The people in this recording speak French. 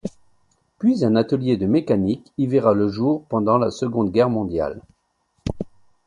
Puis un atelier de mécanique y verra le jour pendant la Seconde Guerre mondiale.